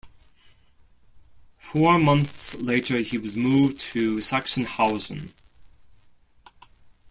Four months later he was moved to Sachsenhausen.